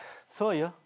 そうよ。